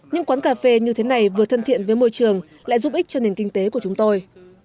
những quán cà phê như thế này vừa thân thiện với môi trường lại giúp ích cho nền kinh tế của chúng tôi